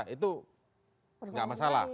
itu tidak masalah